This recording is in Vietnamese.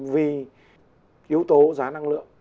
vì yếu tố giá năng lượng